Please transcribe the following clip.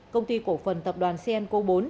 công ty cổ phần tập đoàn cnco bốn